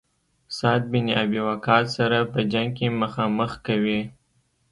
سعد بن ابي وقاص سره په جنګ کې مخامخ کوي.